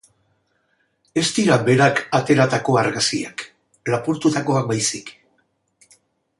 Ez dira berak ateratako argazkiak, lapurtutakoak baizik.